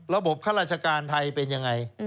ระบบข้าราชการไทยเป็นอย่างไร